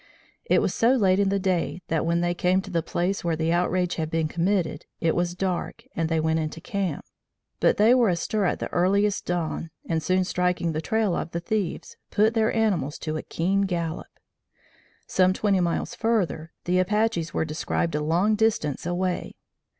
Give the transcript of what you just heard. It was so late in the day that when they came to the place where the outrage had been committed, it was dark and they went into camp; but they were astir at the earliest dawn, and soon striking the trail of the thieves, put their animals to a keen gallop. Some twenty miles further, the Apaches were described a long distance away.